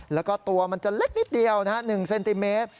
แล้วก็ตัวมันจะเล็กนิดเดียว๑เซนติเมตร